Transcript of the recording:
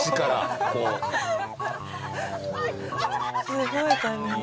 すごいタイミング。